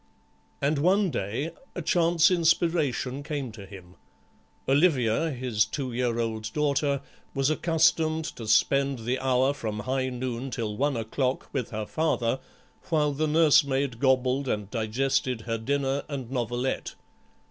And one day a chance inspiration came to him. Olivia, his two year old daughter, was accustomed to spend the hour from high noon till one o'clock with her father while the nursemaid gobbled and digested her dinner and novelette.